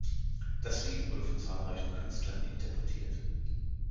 Das Lied wurde von zahlreichen Künstlern interpretiert.